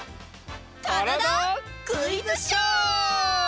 「からだ☆クイズショー」！